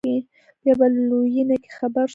بيا په لوېينه کښې خبر سوم.